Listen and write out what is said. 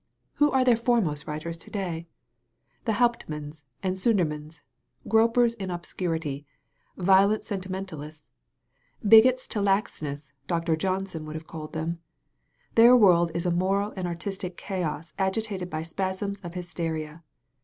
Who are their foremost writers to day? TheHaupt manns and the Sudermanns, gropers in obscurity, violent sentimentalists, ^bigots to lajcness,' Dr» Johnson would have called them. Their world is a moral and artistic chaos agitated by spasms of hysteria.